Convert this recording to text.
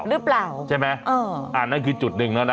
หรือเปล่าอ๋ออ๋อใช่ไหมอ่านั่นคือจุดนึงแล้วนะ